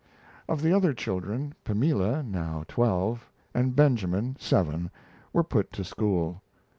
Of the other children Pamela, now twelve, and Benjamin, seven, were put to school.